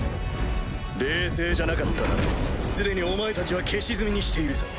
冷静じゃなかったら既にお前たちは消し炭にしているさ。